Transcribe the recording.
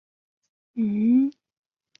梨叶悬钩子为蔷薇科悬钩子属的植物。